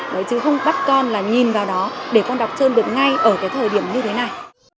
đấy chứ không bắt con là nhìn vào đó để con đọc trơn được ngay ở cái thời điểm như thế này